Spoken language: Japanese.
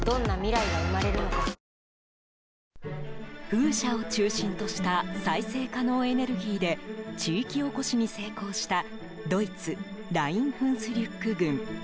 風車を中心とした再生可能エネルギーで地域おこしに成功したドイツライン・フンスリュック郡。